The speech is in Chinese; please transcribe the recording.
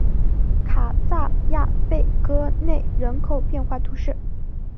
卡萨盖贝戈内人口变化图示